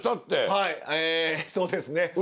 はいそうですね。